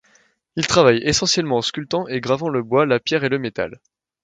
Il travaille essentiellement en sculptant et gravant le bois, la pierre et le métal.